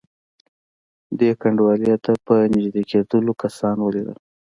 دې کنډوالې ته په نږدې کېدلو کسان ولیدل.